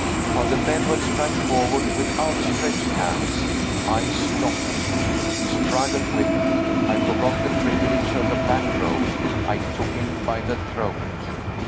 Father Benwell sprang forward with outstretched hands. I stopped him. He struggled with me. I forgot the privilege of the black robe. I took him by the throat.